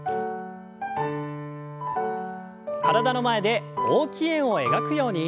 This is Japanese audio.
体の前で大きい円を描くように。